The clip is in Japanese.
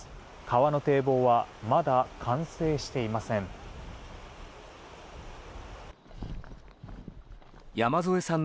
川の堤防はまだ完成していません。